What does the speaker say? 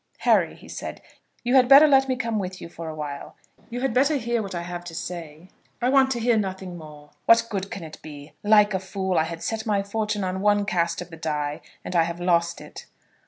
"Harry," he said, "you had better let me come with you for awhile. You had better hear what I have to say." "I want to hear nothing more. What good can it be? Like a fool, I had set my fortune on one cast of the die, and I have lost it.